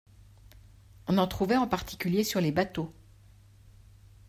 On en trouvait en particulier sur les bateaux.